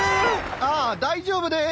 あっ大丈夫です。